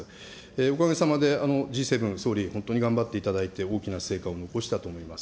おかげさまでＧ７、総理、本当に頑張っていただいて大きな成果を残したと思います。